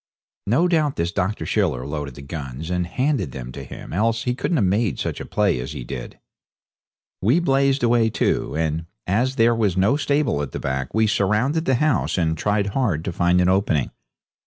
No doubt this Dr. Schiller loaded the guns and handed them to him, else he couldn't have made such play as he did. We blazed away too, and as there was no stable at the back we surrounded the house and tried hard to find an opening.